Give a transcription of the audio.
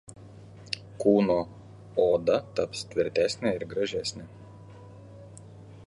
Kūno odas taps tvirtesnė ir gražesnė.